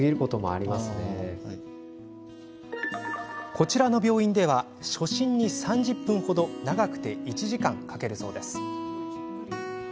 こちらの病院では初診に３０分程長くて１時間かけるそうです。